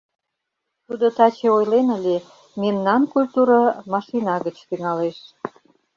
Тудо таче ойлен ыле: «Мемнан культура — машина гыч тӱҥалеш!..»